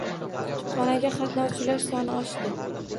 Kutubxonaga qatnovchilar soni oshdi.